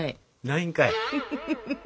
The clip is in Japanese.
ないんかい！